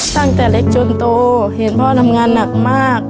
ตั้งแต่เล็กจนโตเห็นพ่อทำงานหนักมาก